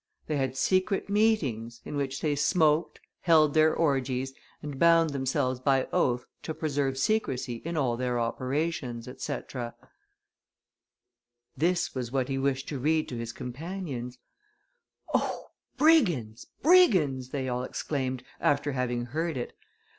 They had secret meetings, in which they smoked, held their orgies, and bound themselves by oath to preserve secrecy in all their operations, &c." This was what he wished to read to his comrades. "Oh! brigands! brigands!" they all exclaimed, after having heard it.